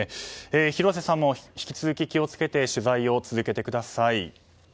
広瀬さんも引き続き気を付けて取材を続けてください。